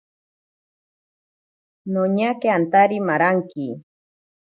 Noñake antari maranki.